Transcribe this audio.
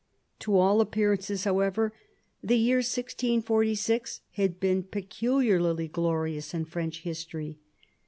To all appearances, however, the year 1646 had been peculiarly glorious in French history.